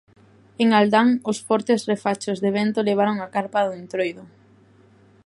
En Aldán os fortes refachos de vento levaron a carpa do Entroido.